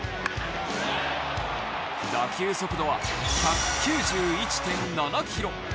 打球速度は何と１９１．７キロ。